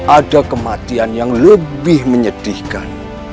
ada kematian yang lebih menyedihkan